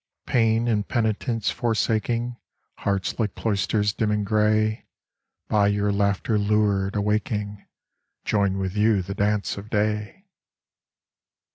Pain and penitence forsaking, Hearts like cloisters dim and grey, By your laughter lured, awaking Join with you the dance of day.